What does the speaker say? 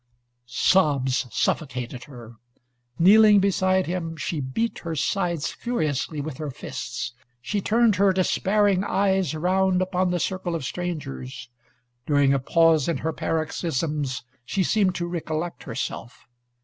Sobs suffocated her. Kneeling beside him, she beat her sides furiously with her fists. She turned her despairing eyes around upon the circle of strangers. During a pause in her paroxysms she seemed to recollect herself.